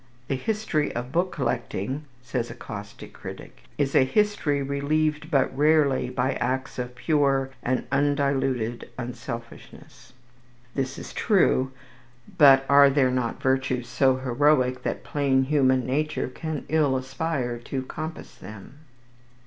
"The history of book collecting," says a caustic critic, "is a history relieved but rarely by acts of pure and undiluted unselfishness." This is true, but are there not virtues so heroic that plain human nature can ill aspire to compass them?